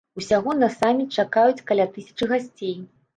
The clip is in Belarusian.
Усяго на саміт чакаюць каля тысячы гасцей.